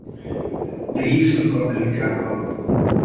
De hiszünk Amerikában.